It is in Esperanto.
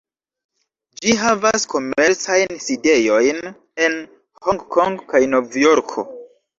Ĝi havas komercajn sidejojn en Hong-Kong kaj Novjorko.